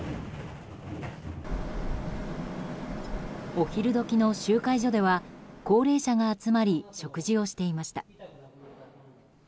お昼時の集会所では高齢者が集まり食事をしていました。